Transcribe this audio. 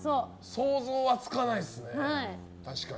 想像はつかないですね、確かに。